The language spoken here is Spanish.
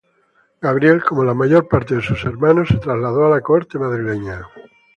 Gabriel, como la mayor parte de sus hermanos, se trasladó a la corte madrileña.